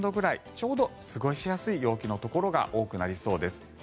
ちょうど過ごしやすい陽気のところが多くなりそうです。